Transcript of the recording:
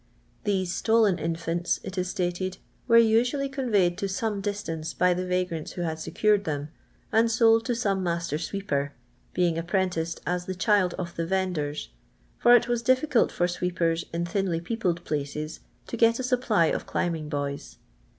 These stolen infants, it is stated, were usually conveyed to some distance by the vagrants who had seciured them, and sold to some master sweeper, being apprenticed as the child of the vendors, for it was diflicuh fur sw^eepcrs in thinly peopled places to get a supply of climbing lK»ys.